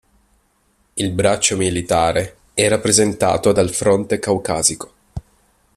Il braccio militare è rappresentato dal Fronte Caucasico.